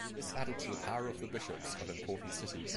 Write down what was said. This added to the power of the bishops of important cities.